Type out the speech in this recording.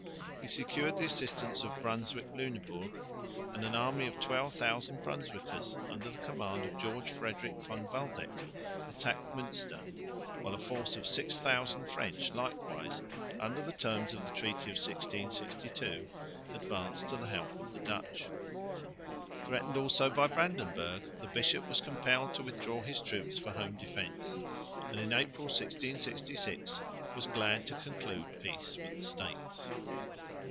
He secured the assistance of Brunswick Lüneburg, and an army of 12,000 Brunswickers under the command of George Frederick von Waldeck attacked Münster; while a force of 6000 French likewise, under the terms of the treaty of 1662, advanced to the help of the Dutch. Threatened also by Brandenburg, the bishop was compelled to withdraw his troops for home defence and in April, 1666, was glad to conclude peace with the States.